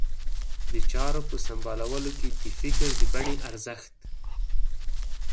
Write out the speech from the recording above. د چارو په سمبالولو کې د فکر د بڼې ارزښت.